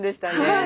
はい。